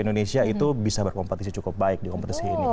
indonesia itu bisa berkompetisi cukup baik di kompetisi ini